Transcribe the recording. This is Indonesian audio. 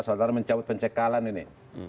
saudara mencabut pencekalan ini